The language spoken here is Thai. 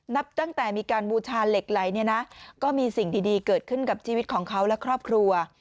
นับตั้งแต่มีการบูชาเหล็กไหลเนี่ยนะก็มีสิ่งดีเกิดขึ้นกับชีวิตของเขาและครอบครัว